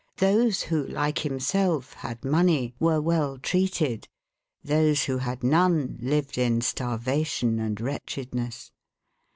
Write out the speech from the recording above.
Those who, like himself, had money were well treated. Those who had none lived in starvation and wretchedness.